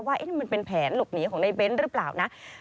ว่ามันเป็นแผนหลบหนีของนายเบนส์หรือเปล่านะ